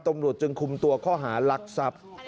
ตรวจจึงคุมตัวข้อหารักษัพ